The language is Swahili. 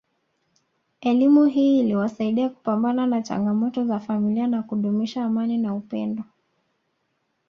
Elimu hii iliwasaidia kupambana na changamoto za familia na kudumisha amani na upendo